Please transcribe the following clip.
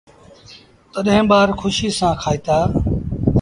تڏهيݩ ٻآر کُشيٚ سآݩ کائيٚݩدآ۔